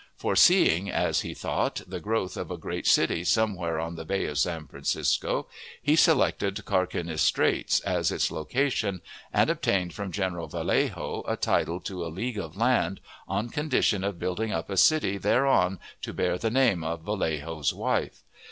Foreseeing, as he thought, the growth of a great city somewhere on the Bay of San Francisco, he selected Carquinez Straits as its location, and obtained from General Vallejo a title to a league of land, on condition of building up a city thereon to bear the name of Vallejo's wife.